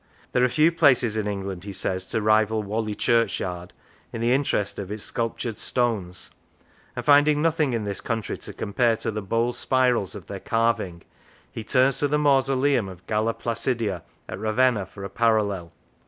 There are few places in England, he says, to rival Whalley churchyard in the interest of its sculptured stones; and finding nothing in this country to compare to the bold spirals of their carving, he turns to the mausoleum of Galla Placidia at Ravenna for a parallel.